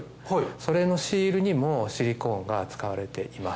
それのシールにもシリコーンが使われています。